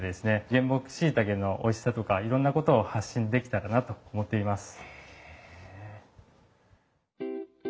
原木しいたけのおいしさとかいろんなことを発信できたらなと思っています。